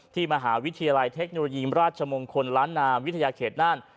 ที่มหาวิทยาลัยเทคโนโลยีมราชมงคลล้านนามวิทยาเขตน่าน